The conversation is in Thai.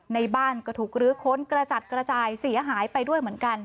ในบ้านก็ถูกลื้อค้นกระจัดกระจายเสียหายไปด้วยเหมือนกัน